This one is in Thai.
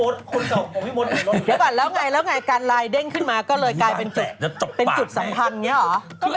เดี๋ยวก่อนแล้วไงการไลน์เด้งขึ้นมาก็เลยกลายเป็นจุดสัมพันธ์นี้หรอ